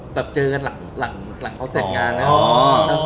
แบบเจอกันหลังเขาเสร็จงานนะครับ